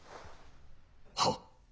はっ。